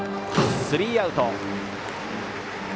スリーアウト。